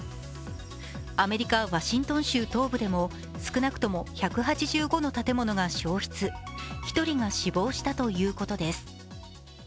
アメリカ・ワシントン州東部でも少なくとも１８５の建物が焼失、１人が死亡したということです。